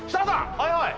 はい。